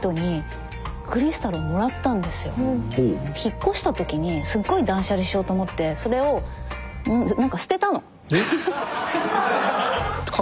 引っ越したときにすっごい断捨離しようと思ってそれを何かえっ？